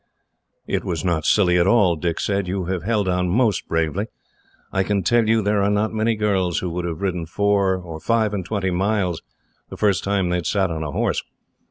"It was not silly at all," Dick said. "You have held on most bravely. I can tell you there are not many girls who would have ridden four or five and twenty miles, the first time they sat on a horse.